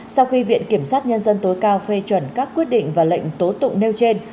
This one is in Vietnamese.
sau khi viện kiểm sát nhân dân tối cao phê chuẩn các quyết định và lệnh tố tụng nêu trên